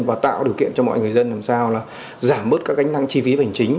và tạo điều kiện cho mọi người dân làm sao là giảm bớt các gánh nặng chi phí hành chính